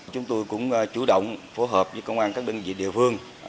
chúng tôi cũng chủ động phối hợp với công an các đơn vị địa phương